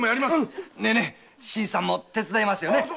ネ新さんも手伝いますよね？